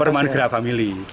permainan gerah famili